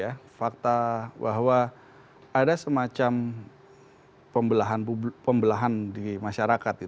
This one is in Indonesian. meminggirkan fakta itu ya fakta bahwa ada semacam pembelahan di masyarakat